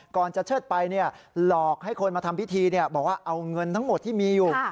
ก่อนจะเชิดไปหลอกให้คนมาทำพิธีบอกว่าเอาเงินทั้งหมดที่มีอยู่